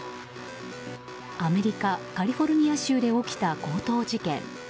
アメリカ・カリフォルニア州で起きた強盗事件。